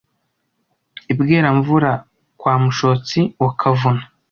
i Bweramvura kwa Mushotsi wa Kavuna,